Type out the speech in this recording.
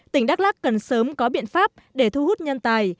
tỉnh đắk lắc cần sớm có biện pháp để thu hút nhân tài